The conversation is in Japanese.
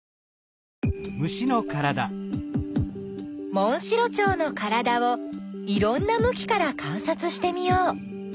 モンシロチョウのからだをいろんなむきからかんさつしてみよう。